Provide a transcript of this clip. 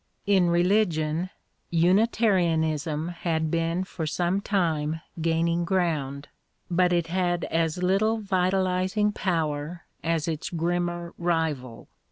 In religion Unitarianism had been for some time gaining ground, but it had as little vitalising power as its grimmer rival.